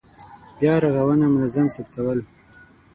بیا رغونه منظم ثبتول.